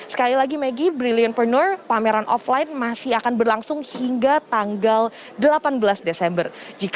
sekali lagi maggie brilliantpreneur pameran offline masih akan berlangsung hingga tanggal delapan belas desember